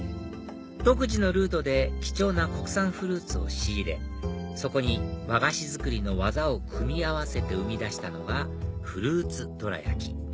独自のルートで貴重な国産フルーツを仕入れそこに和菓子作りの技を組み合わせて生み出したのがフルーツどら焼き